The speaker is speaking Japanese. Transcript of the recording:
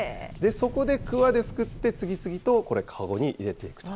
そこでくわですくって次々とこれ、籠に入れていくと。